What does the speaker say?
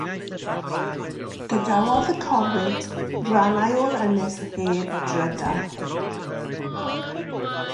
Gadawodd y corwynt rannau o'r ynys heb drydan.